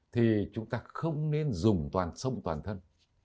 thì chúng ta không nên dùng toàn sông toàn thân